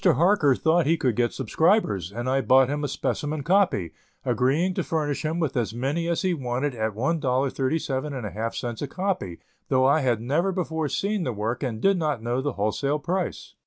Harker thought he could get subscribers, and I bought him a specimen copy, agreeing to furnish him with as many as he wanted at $1.37½ a copy, though I had never before seen the work and did not know the wholesale price.